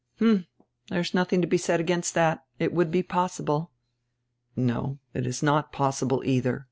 "Hm, there is nothing to be said against that; it would be possible." "No, it is not possible either.